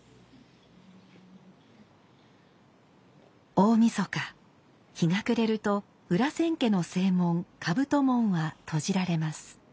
大晦日日が暮れると裏千家の正門兜門は閉じられます。